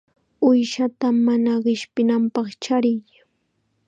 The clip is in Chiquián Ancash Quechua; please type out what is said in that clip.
Uushata mana qishpinanpaq chariy.